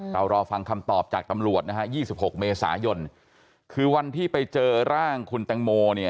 รอฟังคำตอบจากตำรวจนะฮะ๒๖เมษายนคือวันที่ไปเจอร่างคุณแตงโมเนี่ย